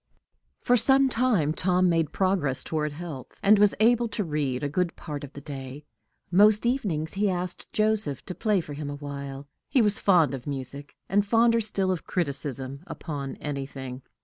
For some time Tom made progress toward health, and was able to read a good part of the day. Most evenings he asked Joseph to play to him for a while; he was fond of music, and fonder still of criticism upon anything.